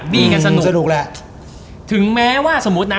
บีกันสนุก